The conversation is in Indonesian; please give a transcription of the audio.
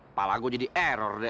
apalagi gue jadi error